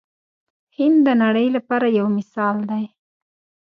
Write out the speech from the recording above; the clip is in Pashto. هند د نړۍ لپاره یو مثال دی.